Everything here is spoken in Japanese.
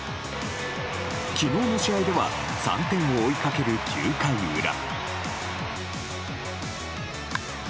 昨日の試合では３点を追いかける９回裏。